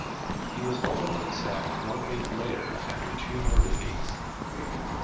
He was ultimately sacked one week later after two more defeats.